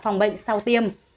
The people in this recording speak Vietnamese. phòng bệnh sau tiêm